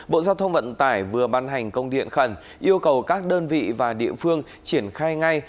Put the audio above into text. bộ giao thông vận tải vừa ban hành công điện khẩn yêu cầu các đơn vị và địa phương triển khai ngay